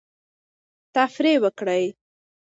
تفریح وکړئ.